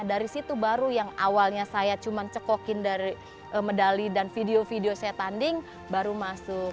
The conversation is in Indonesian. dari situ baru yang awalnya saya cuma cekokin dari medali dan video video saya tanding baru masuk